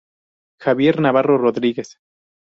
Javier Navarro Rodríguez.